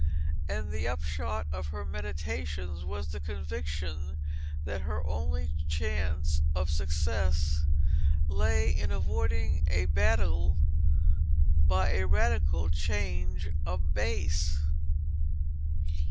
And the upshot of her meditations was the conviction that her only chance of success lay in avoiding a battle by a radical change of base.